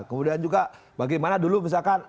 kemudian juga bagaimana dulu misalkan